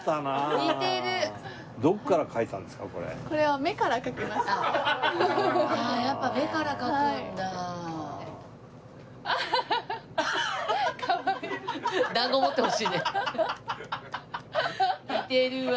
似てるわ。